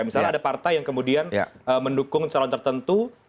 misalnya ada partai yang kemudian mendukung calon tertentu